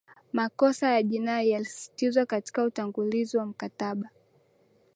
makosa ya jinai yalisisitizwa katika utangulizi wa mkataba